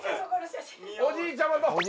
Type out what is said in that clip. おじいちゃま